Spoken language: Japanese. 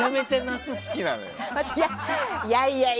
夏好きなのよ。